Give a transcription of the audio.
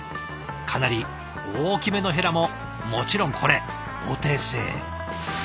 かなり大きめのヘラももちろんこれお手製。